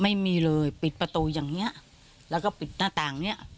ไม่มีเลยปิดประตูอย่างเงี้ยแล้วก็ปิดหน้าต่างเนี้ย